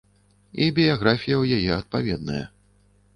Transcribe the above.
І біяграфія ў яе адпаведная.